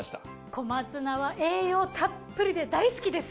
小松菜は栄養たっぷりで大好きです。